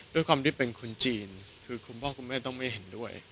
ด้วยความที่เป็นคนจีนคือคุณพ่อคุณแม่ต้องไม่เห็นด้วย